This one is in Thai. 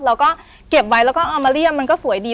เราก็เก็บไว้แล้วก็เอามาเลี่ยมมันก็สวยดี